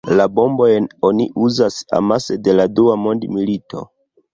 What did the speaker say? La bombojn oni uzas amase de la dua mondmilito.